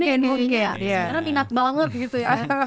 iya sebenarnya minat banget gitu ya